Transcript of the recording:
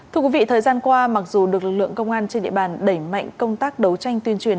thưa quý vị thời gian qua mặc dù được lực lượng công an trên địa bàn đẩy mạnh công tác đấu tranh tuyên truyền